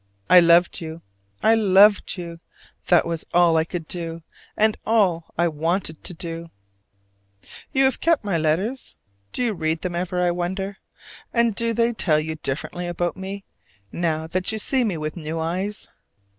I loved you, I loved you! that was all I could do, and all I wanted to do. You have kept my letters? Do you read them ever, I wonder? and do they tell you differently about me, now that you see me with new eyes?